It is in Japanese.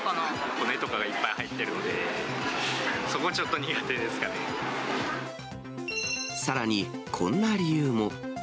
骨とかがいっぱい入っているさらにこんな理由も。